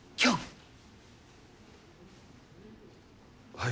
はい。